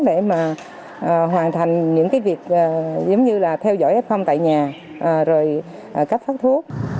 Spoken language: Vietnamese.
để mà hoàn thành những cái việc giống như là theo dõi f tại nhà rồi cấp phát thuốc